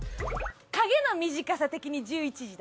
影の短さ的に１１時だ。